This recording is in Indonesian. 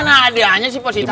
gak ada sih posisi saya